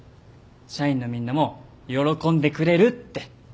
「社員のみんなも喜んでくれる」って。